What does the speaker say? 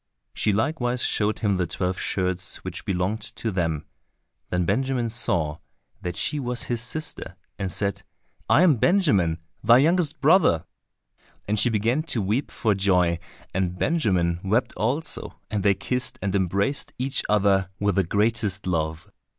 She likewise showed him the twelve shirts which belonged to them. Then Benjamin saw that she was his sister, and said, "I am Benjamin, thy youngest brother." And she began to weep for joy, and Benjamin wept also, and they kissed and embraced each other with the greatest love.